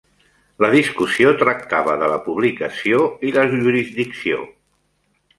La discussió tractava de la publicació i la jurisdicció.